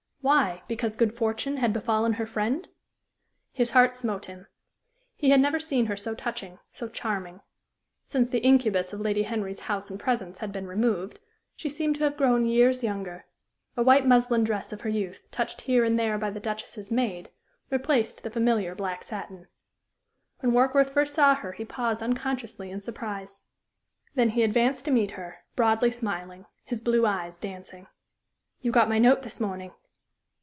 Why? Because good fortune had befallen her friend? His heart smote him. He had never seen her so touching, so charming. Since the incubus of Lady Henry's house and presence had been removed she seemed to have grown years younger. A white muslin dress of her youth, touched here and there by the Duchess's maid, replaced the familiar black satin. When Warkworth first saw her he paused unconsciously in surprise. Then he advanced to meet her, broadly smiling, his blue eyes dancing. "You got my note this morning?"